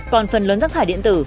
còn phần lớn rác thải điện tử